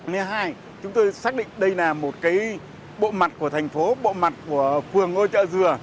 thứ hai chúng tôi xác định đây là một bộ mặt của thành phố bộ mặt của phường ngôi chợ dừa